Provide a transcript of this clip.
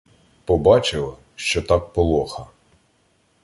Побачила, що так полоха